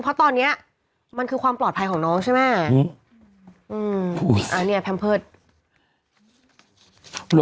เพราะตอนเนี้ยมันคือความปลอดภัยของน้องใช่ไหม